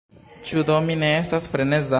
Ĉu do mi ne estas freneza?